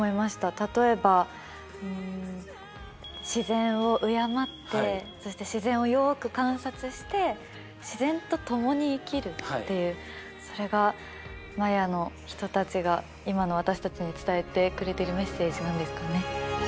例えば自然を敬ってそして自然をよく観察して自然と共に生きるっていうそれがマヤの人たちが今の私たちに伝えてくれてるメッセージなんですかね。